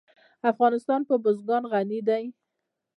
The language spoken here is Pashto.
افغانستان په بزګان غني دی.